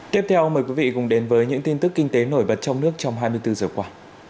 tiếp theo mời quý vị cùng đến với những tin tức kinh tế nổi bật trong nước trong hai mươi bốn giờ qua